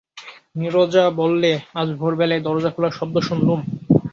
নীরজা বললে, আজ ভোরবেলায় দরজা খোলার শব্দ শুনলুম।